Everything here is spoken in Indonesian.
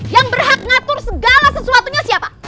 yang berhak ngatur segala sesuatunya siapa